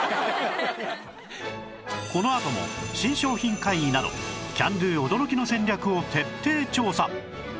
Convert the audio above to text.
このあとも新商品会議などキャンドゥ驚きの戦略を徹底調査！